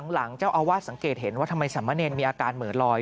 หลังเจ้าอาวาสสังเกตเห็นว่าทำไมสามเณรมีอาการเหมือนลอย